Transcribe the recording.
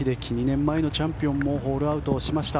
２年前のチャンピオンもホールアウトしました。